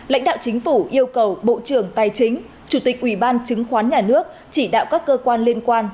lãnh đạo chính phủ yêu cầu bộ trưởng tài chính chủ tịch ủy ban chứng khoán nhà nước chỉ đạo các cơ quan liên quan